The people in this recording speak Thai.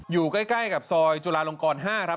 อยู่ใกล้กับซอยจุฬาลงกร๕ครับ